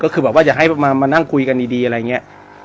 ก็คือแบบว่าจะให้ประมาณมานั่งคุยกันดีดีอะไรเงี้ย